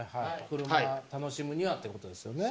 車楽しむにはってことですよね？